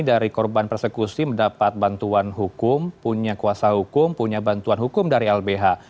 dari korban persekusi mendapat bantuan hukum punya kuasa hukum punya bantuan hukum dari lbh